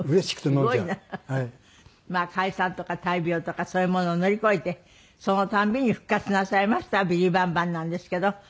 まあ解散とか大病とかそういうものを乗り越えてその度に復活なさいましたビリー・バンバンなんですけど。